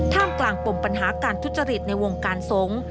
ท่ามกลางปลงปัญหาการทุจริตในวงการทรง